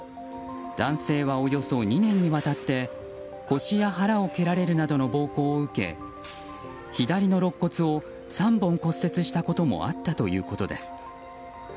男性はおよそ２年にわたって腰や腹を蹴られるなどの暴行を受け左の肋骨を３本骨折したこともあったということです。